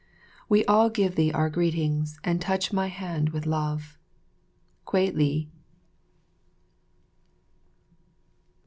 We all give thee our greetings and touch my hand with love. Kwei li.